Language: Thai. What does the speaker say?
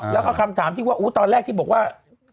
แล้วก็คำถามที่ว่าตอนแรกที่บอกว่า